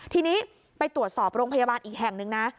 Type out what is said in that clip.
ทีนี้ไปตรวจสอบโรงพยาบาลอีกแห่งหนึ่งนะ